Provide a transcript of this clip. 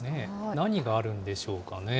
何があるんでしょうかね。